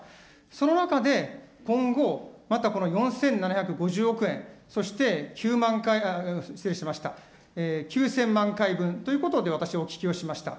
その中で、今後、またこの４７５０億円、そして９万回、失礼しました、９０００万回分ということで、私、お聞きをしました。